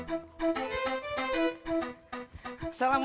bisa kan mas ya naik lantai ya